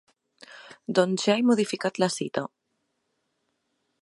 Doncs ja he modificat la cita.